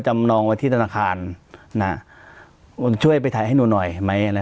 นองไว้ที่ธนาคารช่วยไปถ่ายให้หนูหน่อยไหมอะไร